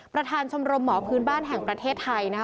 ประธานชมรมหมอพื้นบ้านแห่งประเทศไทยนะคะ